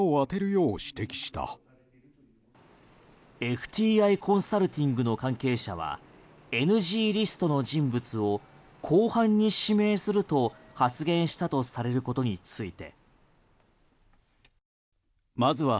ＦＴＩコンサルティングの関係者はＮＧリストの人物を後半に指名すると発言したとされることについて。